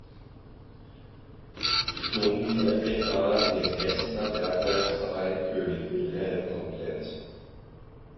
Stumm GmbH" den "Essener Bergwerks-Verein König Wilhelm" komplett.